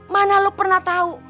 mana lo pernah tau